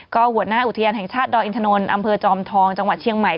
ก็หัวหน้าอุทยานแห่งชาติดอยอินทนนท์อำเภอจอมทองจังหวัดเชียงใหม่